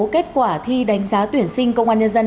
kết quả thi đánh giá tuyển sinh công an nhân dân